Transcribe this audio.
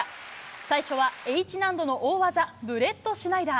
最初は、Ｈ難度の大技ブレットシュナイダー。